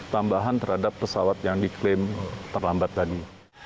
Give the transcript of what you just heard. tambahan terhadap pesawat yang diklaim terlambat tadi